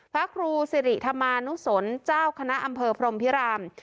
พระครูสิริธรรมานุสนเจ้าคณะอำเภอพรมพิราม